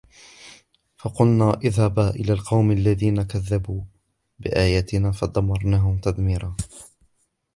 فقلنا اذهبا إلى القوم الذين كذبوا بآياتنا فدمرناهم تدميرا